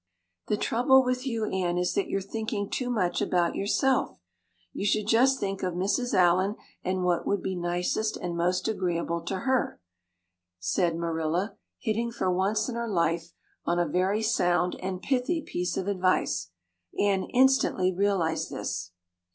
"The trouble with you, Anne, is that you're thinking too much about yourself. You should just think of Mrs. Allan and what would be nicest and most agreeable to her," said Marilla, hitting for once in her life on a very sound and pithy piece of advice. Anne instantly realized this.